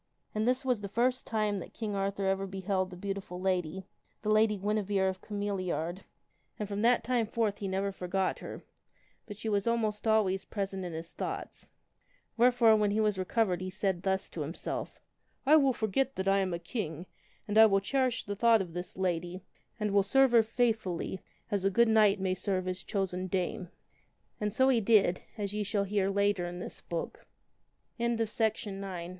And this was the first time that King Arthur ever beheld that beauti ful lady, the Lady Guinevere of Cameliard, and from that time 1 6a THE WINNING OF A SWORD never forgot her, but she was almost always present in his thoughts. Wherefore, when he was recovered he said thus to himself :" I will forget that I am a king and 1 will cherish the thought of this lady and will serve her faithfully as a good knight may serve his chosen dame/' And so he